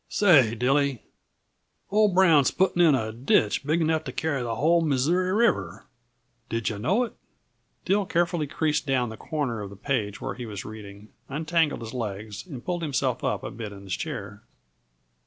"Say, Dilly, old Brown's putting in a ditch big enough to carry the whole Missouri River. Did yuh know it?" Dill carefully creased down the corner of the page where he was reading, untangled his legs and pulled himself up a bit in the chair.